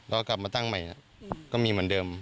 แล้วก็กลับมาตั้งใหม่ก็มีเหมือนเดิม